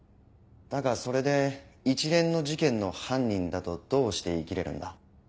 だがそれで一連の事件の犯人だとどうして言い切れるんだ？